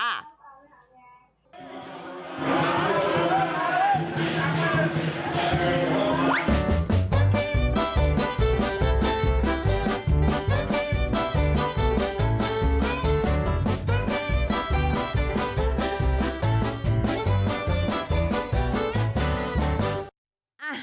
ขอบคุณค่ะ